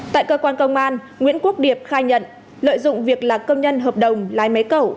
tại cơ quan công an nguyễn quốc điệp khai nhận lợi dụng việc là công nhân hợp đồng lái máy cẩu